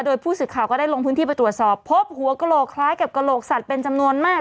โดยผู้สื่อข่าวก็ได้ลงพื้นที่ไปตรวจสอบพบหัวกระโหลกคล้ายกับกระโหลกสัตว์เป็นจำนวนมาก